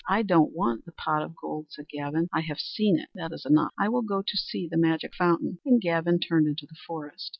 "I don't want the pot of gold," said Gavin. "I have seen it; that is enough. I will go to see the Magic Fountain," and Gavin turned into the forest.